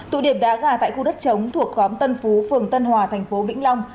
tụ điểm đá gà tại khu đất trống thuộc khóm tân phú phường tân hòa tp vĩnh long